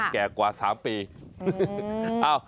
แก่กว่า๓ปี